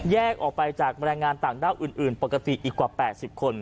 ออกไปจากแรงงานต่างด้าวอื่นปกติอีกกว่า๘๐คน